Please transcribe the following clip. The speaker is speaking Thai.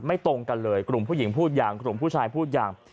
ตรงกันเลยกลุ่มผู้หญิงพูดอย่างกลุ่มผู้ชายพูดอย่าง